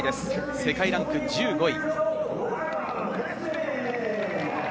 世界ランク１５位。